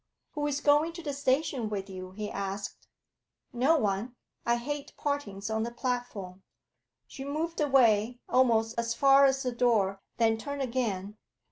'Who is going to the station with you?' he asked. 'No one. I hate partings on the platform.' She moved away almost as far as the door, then turned again.